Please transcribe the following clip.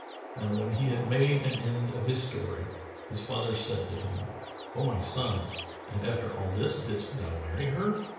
Now when he had made an end of his story, his father said to him, "O my son, and after all this didst thou marry her?"